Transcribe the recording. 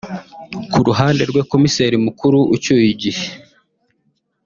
Ku ruhande rwe Komiseri Mukuru ucyuye igihe